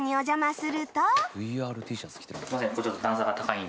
すいません